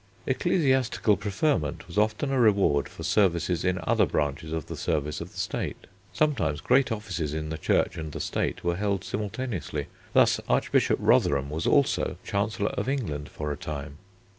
Ecclesiastical preferment was often a reward for services in other branches of the service of the State. Sometimes great offices in the Church and the State were held simultaneously. Thus, Archbishop Rotherham was also Chancellor of England for a time.